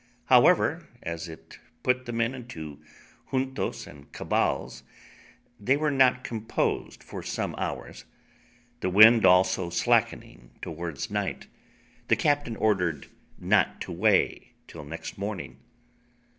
However, as it put the men into juntos and cabals, they were not composed for some hours; the wind also slackening towards night, the captain ordered not to weigh till next morning.